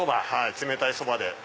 冷たいそばで。